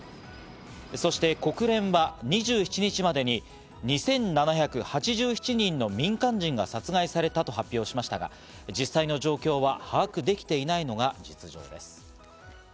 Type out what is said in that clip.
そして国連は２７日までに２７８７人の民間人が殺害されたと発表しましたが、実際の状況は把握できていないのが実情です。